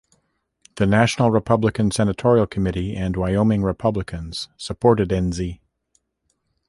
The National Republican Senatorial Committee and Wyoming Republicans supported Enzi.